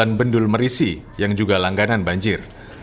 jembatan bendul merisi yang juga langganan banjir